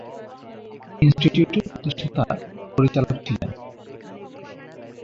ইনস্টিটিউটের প্রতিষ্ঠাতা পরিচালক ছিলেন।